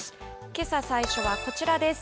けさ最初はこちらです。